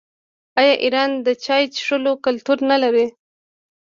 آیا ایران د چای څښلو کلتور نلري؟